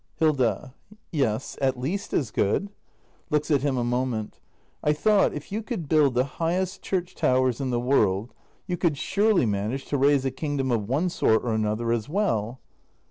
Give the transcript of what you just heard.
Hilda. Yes, at least as good. [Looks at him a moment.] I thought, if you could build the highest church towers in the world, you could surely manage to raise a kingdom of one sort or another as well.